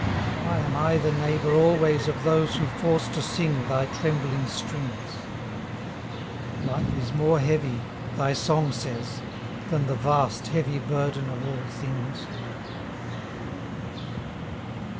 Why am I the neighbour always Of those who force to sing thy trembling strings? Life is more heavy — thy song says — Than the vast, heavy burden of all things.